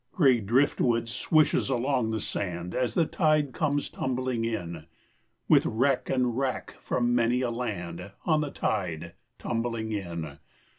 Gray driftwood swishes along the sand, As the tide comes tumbling in. With wreck and wrack from many a land, On the tide, tumbling in.